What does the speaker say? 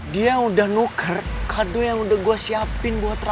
dia udah nuker kado yang udah gue siapin buat rakyat